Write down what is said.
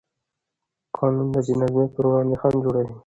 قانون د بېنظمۍ پر وړاندې خنډ جوړوي.